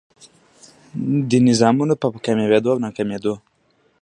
دې نظامونو په کاميابېدو او ناکامېدو